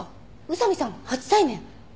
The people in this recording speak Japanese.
宇佐見さん初対面。